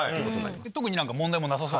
特に問題もなさそう。